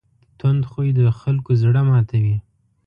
تند خوی د خلکو زړه ماتوي.